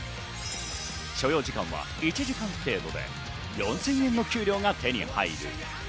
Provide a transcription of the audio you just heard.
所要時間は１時間程度で４０００円の給料が手に入る。